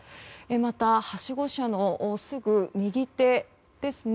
またはしご車のすぐ右手ですね。